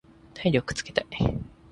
体力をつけたい。